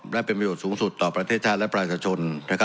และเป็นประโยชน์สูงสุดต่อประเทศชาติและประชาชน